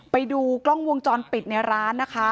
ไปดูกล้องวงจรปิดในร้านนะคะ